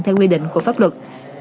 theo quy định của pháp luật